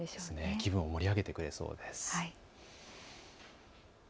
気分を盛り上げてくれそうです。